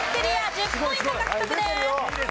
１０ポイント獲得です。